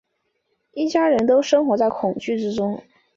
一家人都生活在恐惧之中